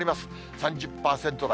３０％台。